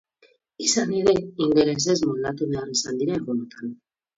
Izan ere, ingelesez moldatu behar izan dira egunotan.